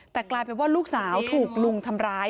แต่กลายเป็นว่าลูกสาวถูกลุงทำร้าย